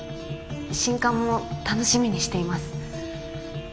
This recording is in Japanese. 新刊も楽しみにしています。